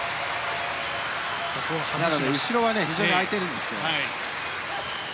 なので、後ろは非常に空いてるんですよ。